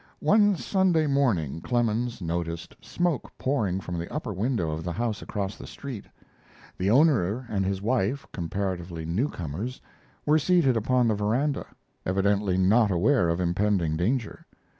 One Sunday morning Clemens noticed smoke pouring from the upper window of the house across the street. The owner and his wife, comparatively newcomers, were seated upon the veranda, evidently not aware of impending danger.